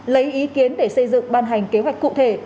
lấy ý kiến để xây dựng ban hành kế hoạch cụ thể